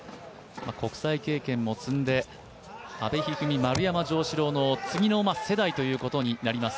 国際経験も積んで、阿部一二三、丸山城志郎の次の世代となります。